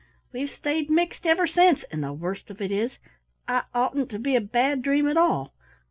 We've stayed mixed ever since, and the worst of it is I oughtn't to be a Bad Dream at all.